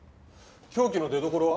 凶器の出どころは？